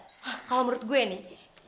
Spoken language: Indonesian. hah kalo menurut gue nih